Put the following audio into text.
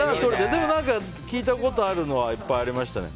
でも何か聞いたことあるのはいっぱいありましたね。